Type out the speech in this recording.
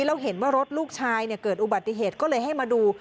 แล้วเห็นว่ารถลูกชายเกิดอุบัติเหตุก็เลยให้มาดู